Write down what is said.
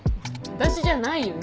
私じゃないよ。